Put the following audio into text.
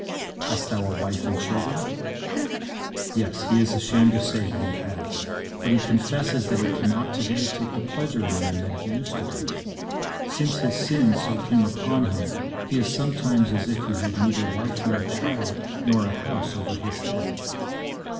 'Hast thou a wife and children?' Yes; he is ashamed to say that he has. But he confesses that he cannot to day take the pleasure in them that he used to do. Since his sin so came upon him, he is sometimes as if he had neither wife nor child nor a house over his head.